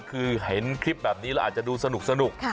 คือเห็นคลิปแบบนี้แล้วอาจจะดูสนุก